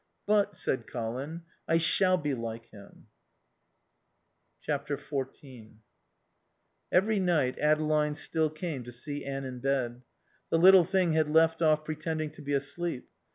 "But," said Colin, "I shall be like him." xiv Every night Adeline still came to see Anne in bed. The little thing had left off pretending to be asleep.